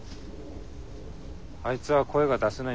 あいつは声が出せないんだ。